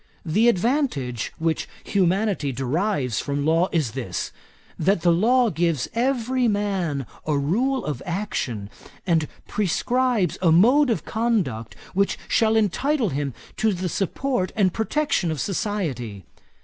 The advantage which humanity derives from law is this: that the law gives every man a rule of action, and prescribes a mode of conduct which shall entitle him to the support and protection of society.